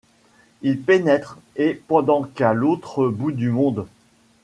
Il pénètre ; et pendant qu’à l’autre bout du monde